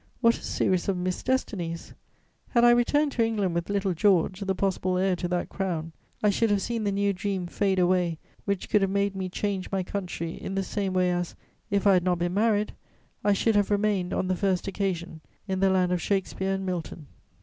What a series of missed destinies! Had I returned to England with little George, the possible heir to that crown, I should have seen the new dream fade away which could have made me change my country, in the same way as, if I had not been married, I should have remained, on the first occasion, in the land of Shakespeare and Milton.